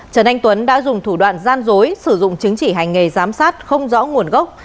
trần anh tuấn đã dùng thủ đoạn gian dối sử dụng chứng chỉ hành nghề giám sát không rõ nguồn gốc